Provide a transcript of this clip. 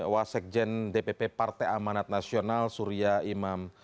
wasekjen dpp partai amanat nasional surya imam